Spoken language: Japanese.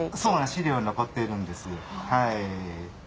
資料に残っているんですよ。